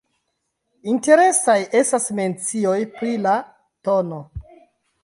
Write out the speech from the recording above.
Interesaj estas mencioj pri la tn.